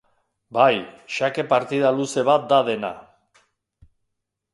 Bai, xake partida luze bat da dena.